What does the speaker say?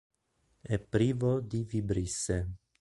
È privo di vibrisse.